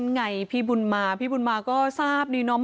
ไงพี่บุญมาพี่บุญมาก็ทราบดีเนาะ